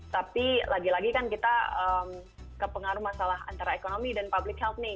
tapi lagi lagi kan kita kepengaruh masalah antara ekonomi dan public health nih